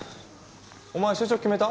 お前就職決めた？